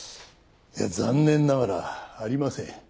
いや残念ながらありません。